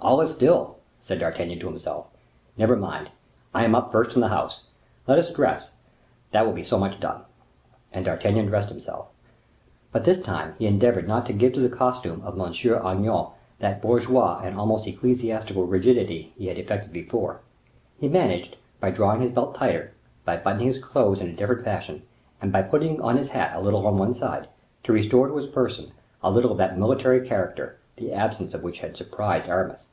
all is still," said D'Artagnan to himself. "Never mind: I am up first in the house. Let us dress; that will be so much done." And D'Artagnan dressed himself. But, this time, he endeavored not to give to the costume of M. Agnan that bourgeoise and almost ecclesiastical rigidity he had affected before; he managed, by drawing his belt tighter, by buttoning his clothes in a different fashion, and by putting on his hat a little on one side, to restore to his person a little of that military character, the absence of which had surprised Aramis.